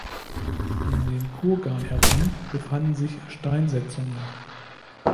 Um den Kurgan herum befanden sich Steinsetzungen.